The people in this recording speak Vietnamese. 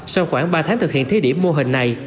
sau khoảng ba tháng thực hiện thí điểm mô hình này